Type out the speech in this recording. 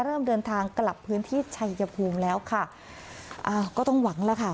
เริ่มเดินทางกลับพื้นที่ชัยภูมิแล้วค่ะอ้าวก็ต้องหวังแล้วค่ะ